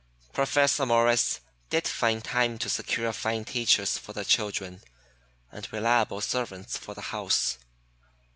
Professor Morris did find time to secure fine teachers for the children, and reliable servants for the house.